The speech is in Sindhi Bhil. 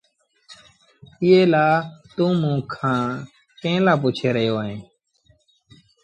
ايٚئي لآ توٚنٚ موٚنٚ کآݩ ڪݩهݩ لآ پُڇي رهيو اهينٚ؟